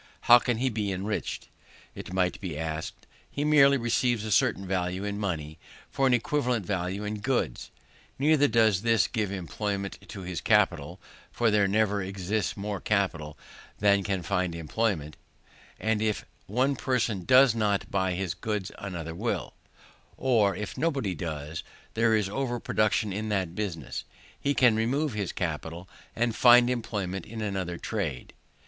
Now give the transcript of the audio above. How can he be enriched? it might be asked. He merely receives a certain value in money, for an equivalent value in goods. Neither does this give employment to his capital; for there never exists more capital than can find employment, and if one person does not buy his goods another will; or if nobody does, there is over production in that business, he can remove his capital, and find employment for it in another trade.